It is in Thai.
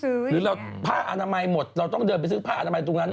หรือเราผ้าอนามัยหมดเราต้องเดินไปซื้อผ้าอนามัยตรงนั้น